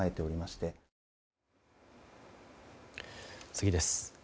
次です。